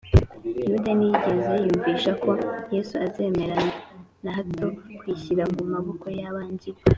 yuda ntiyigeze yiyumvisha ko yesu azemera na hato kwishyira mu maboko y’abanzi be